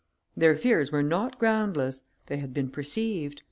Their fears were not groundless; they had been perceived.